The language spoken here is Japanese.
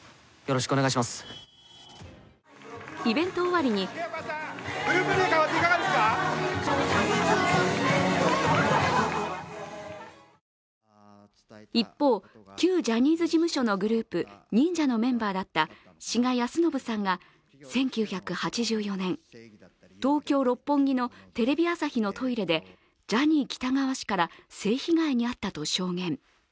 イベント終わりに一方、旧ジャニーズ事務所のグループ忍者のメンバーだった志賀泰伸さんが１９８４年、東京・六本木のテレビ朝日のトイレでジャニー喜多川氏から性被害に遭ったと証言。